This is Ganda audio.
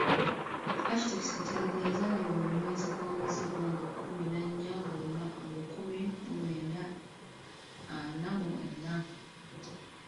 Architect Kateregga yazaalibwa mu mwezi gwa Muzigo nga kkumi na nnya, mu lukumi mu lwenda ana mu ena.